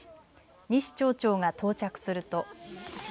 西町長が到着すると。